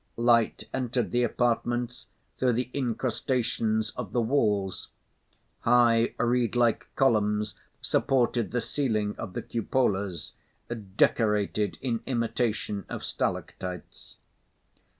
Light entered the apartments through the incrustations of the walls. High, reed like columns supported the ceiling of the cupolas, decorated in imitation of stalactites.